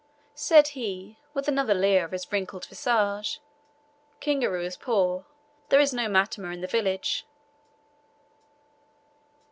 Said he, with another leer of his wrinkled visage, "Kingaru is poor, there is no matama in the village."